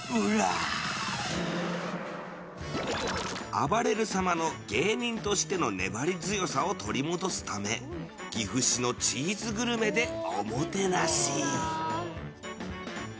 あばれる様の芸人としての粘り強さを取り戻すため、岐阜市のチーズグルメでおもてなし。